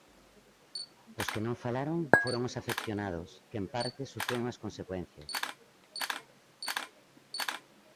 Os que non falaron foron os afeccionados, que en parte sufriron as consecuencias.